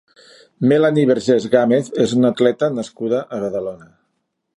Melany Bergés Gámez és una atleta nascuda a Badalona.